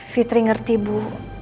fitri ngerti bu